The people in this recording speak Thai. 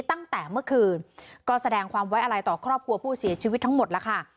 ตั้งแต่เมื่อคืนก็แสดงความไว้อะไรต่อครอบครัวผู้เสียชีวิตทั้งหมดแล้วค่ะ